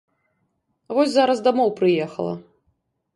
Вось зараз дамоў прыехала.